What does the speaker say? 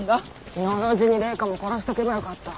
昨日のうちに麗華も殺しておけばよかった。